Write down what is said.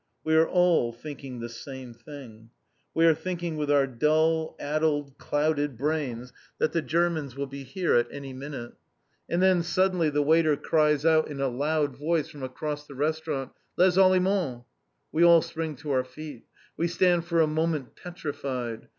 We are all thinking the same thing. We are thinking with our dull, addled, clouded brains that the Germans will be here at any minute. And then suddenly the waiter cries out in a loud voice from across the restaurant: "LES ALLEMANDS!" We all spring to our feet. We stand for a moment petrified.